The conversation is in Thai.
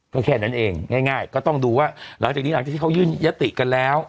ก็แค่นั้นเองง่ายก็ต้องดูว่าหลังจากนี้หลังจากที่เขายื่นยติกันแล้ว